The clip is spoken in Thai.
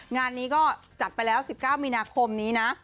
งานนี้ก็จัดไปแล้ว๑๙มีนาคมนี้นะ